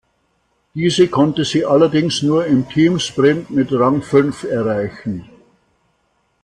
Diese konnte sie allerdings nur im Teamsprint mit Rang fünf erreichen.